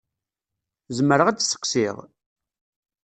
Zemreɣ ad d-sseqsiɣ?